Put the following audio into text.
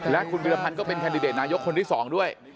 และคุณพิรพันธ์ก็เป็นแคนดิเดตนายกคนที่๒ด้วย